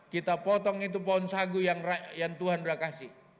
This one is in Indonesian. kita potong itu pohon sagu yang tuhan udah kasih